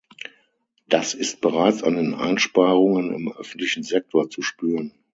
Das ist bereits an den Einsparungen im öffentlichen Sektor zu spüren.